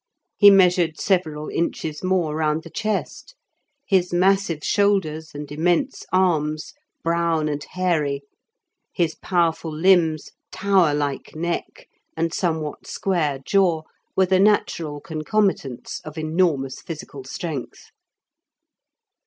He measured several inches more round the chest; his massive shoulders and immense arms, brown and hairy, his powerful limbs, tower like neck, and somewhat square jaw were the natural concomitants of enormous physical strength.